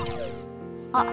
あっ。